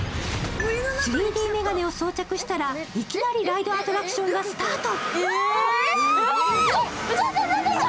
３Ｄ眼鏡を装着したらいきなりライドアトラクションがスタート。